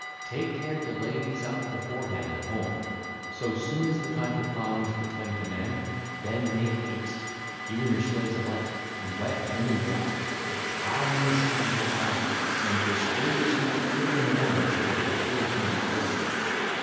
Take care to lay these up beforehand at home. (ll. 458 464) So soon as the time for ploughing is proclaimed to men, then make haste, you and your slaves alike, in wet and in dry, to plough in the season for ploughing, and bestir yourself early in the morning so that your fields may be full.